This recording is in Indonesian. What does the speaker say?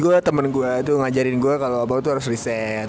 dulu temen gue tuh ngajarin gue kalo abang tuh harus reset